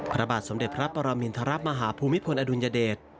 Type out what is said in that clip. พระบาทสมเด็จพระปรมินทรมาฮภูมิพลอดุลยเดช